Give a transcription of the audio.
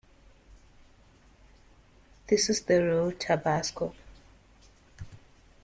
This is the real tabasco.